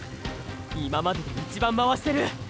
今までで一番回してる。